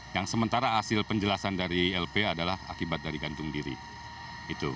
yang sementara hasil penjelasan dari lp adalah akibat dari gantung diri itu